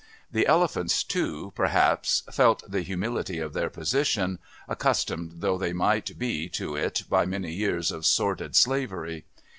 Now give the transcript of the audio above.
The elephants, too, perhaps felt the humility of their position, accustomed though they might be to it by many years of sordid slavery.